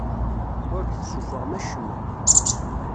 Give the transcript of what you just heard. Ur d-tessuffɣem acemma.